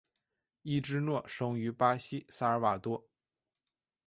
伊芝诺生于巴西萨尔瓦多。